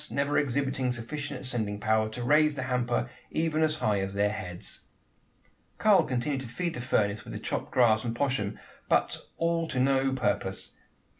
never exhibiting sufficient ascending power, to raise the hamper even as high as their heads! Karl continued to feed the furnace with the chopped grass and poshm, but all to no purpose.